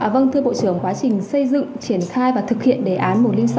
vâng thưa bộ trưởng quá trình xây dựng triển khai và thực hiện đề án một trăm linh sáu